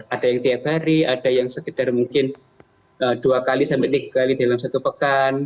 ada yang tiap hari ada yang sekedar mungkin dua kali sampai tiga kali dalam satu pekan